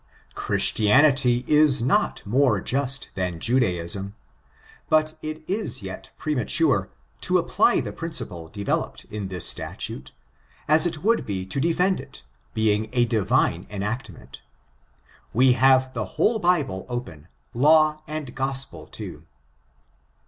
Christianity is not tnore jtidt thkn Judaism. But it is yet premature, to apply the principle developed in this statute^ as it would be to defend it, being a divine enactment. We have the whole Bible open, law and gospel, too.